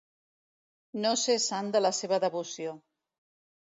No ser sant de la seva devoció.